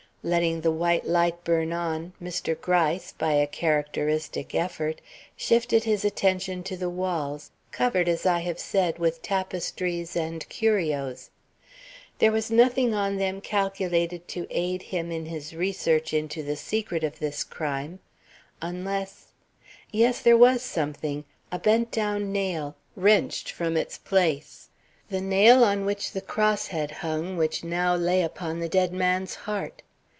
Letting the white light burn on, Mr. Gryce, by a characteristic effort, shifted his attention to the walls, covered, as I have said, with tapestries and curios. There was nothing on them calculated to aid him in his research into the secret of this crime, unless yes, there was something, a bent down nail, wrenched from its place, the nail on which the cross had hung which now lay upon the dead man's heart.